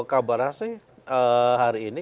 kabarnya sih hari ini